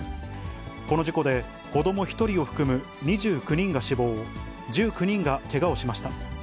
この事故で子ども１人を含む２９人が死亡、１９人がけがをしました。